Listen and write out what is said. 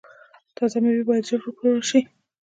تازه میوې باید ژر وپلورل شي.